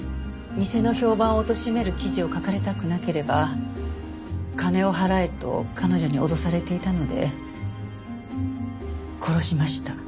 店の評判をおとしめる記事を書かれたくなければ金を払えと彼女に脅されていたので殺しました。